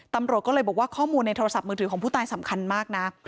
ตำรวจก็เลยบอกว่าข้อมูลในโทรศัพท์มือถือของผู้ตายสำคัญมากนะ